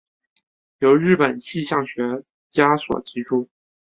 由日本气象学家所提出。